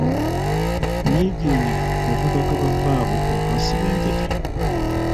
Niigiina okukaka babbaabwe okubasiba empeta.